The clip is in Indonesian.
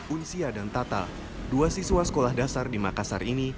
unsia dan tatal dua siswa sekolah dasar di makassar ini